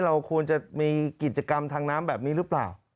เราควรจะมีกิจกรรมทางน้ำแบบนี้หรือเปล่า